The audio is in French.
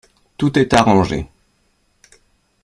Tout est arrangé.